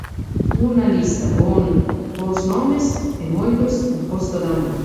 Unha lista con bos nomes, e moitos da Costa da Morte.